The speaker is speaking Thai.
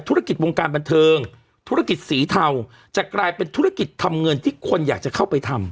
ธุรกิจวงการบันเทิงธุรกิจสีเทาจะกลายเป็นธุรกิจทำเงินที่คนอยากจะเข้าไปทำ